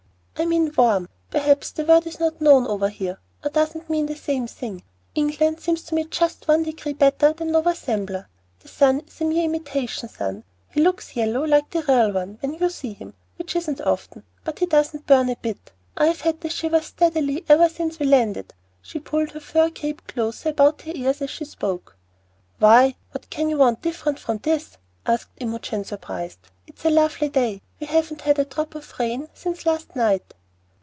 "I mean warm. Perhaps the word is not known over here, or doesn't mean the same thing. England seems to me just one degree better than Nova Zembla. The sun is a mere imitation sun. He looks yellow, like a real one, when you see him, which isn't often, but he doesn't burn a bit. I've had the shivers steadily ever since we landed." She pulled her fur cape closer about her ears as she spoke. "Why, what can you want different from this?" asked Imogen, surprised. "It's a lovely day. We haven't had a drop of rain since last night."